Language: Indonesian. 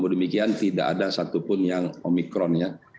demikian tidak ada satupun yang omikron ya